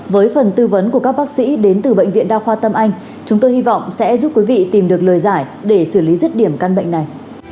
với phần tư vấn của các bác sĩ đến từ bệnh viện đa khoa tâm anh chúng tôi hy vọng sẽ giúp quý vị tìm được lời giải để xử lý rứt điểm căn bệnh này